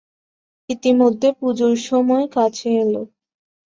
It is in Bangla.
ইতিমধ্যে পুজোর সময় কাছে এল।